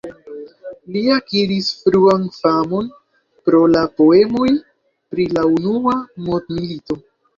Li akiris fruan famon pro poemoj pri la Unua Mondmilito.